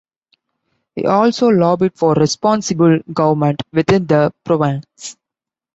He also lobbied for responsible government within the province.